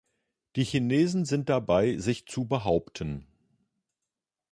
Die Chinesen sind dabei, sich zu behaupten.